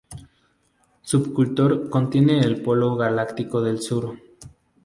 Sculptor contiene el polo galáctico del sur.